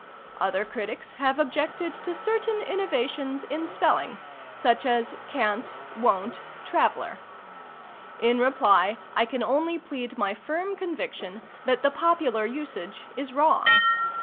Other critics have objected to certain innovations in spelling, such as " ca'n't," " wo'n't," " traveler." In reply, I can only plead my firm conviction that the popular usage is wrong.